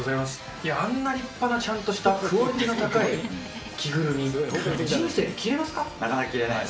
あんな立派な、ちゃんとしたクオリティーの高い着ぐるみ、人生で着れますか？